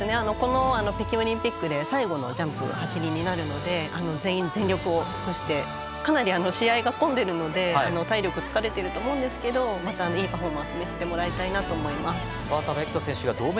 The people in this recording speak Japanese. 北京オリンピックで最後のジャンプ、走りになるので全員、全力を尽くしてかなり試合が混んでいるので体力、疲れてると思うんですけどまたいいパフォーマンスを見せてもらいたいなと思います。